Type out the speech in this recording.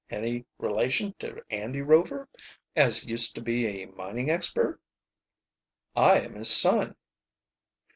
Any relation to Andy Rover, as used to be a mining expert?" "I am his son."